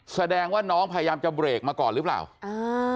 แสดงว่าน้องพยายามจะเบรกมาก่อนหรือเปล่าอ่า